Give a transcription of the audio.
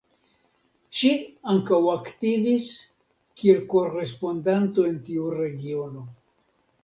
Ŝi ankaŭ aktivis kiel korespondanto en tiu regiono.